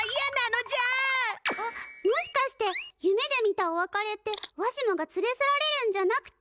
あっもしかして夢で見たおわかれってわしもがつれさられるんじゃなくて。